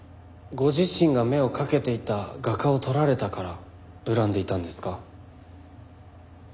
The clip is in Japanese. ご自身が目をかけていた画家を取られたから恨んでいたんですか？